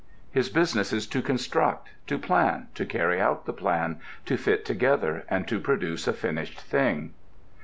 His business is to construct: to plan: to carry out the plan: to fit together, and to produce a finished thing.